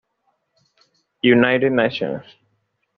United Nations